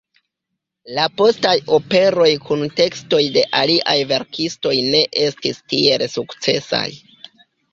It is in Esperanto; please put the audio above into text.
La postaj operoj kun tekstoj de aliaj verkistoj ne estis tiel sukcesaj.